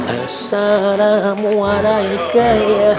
assalamu alaika ya haduh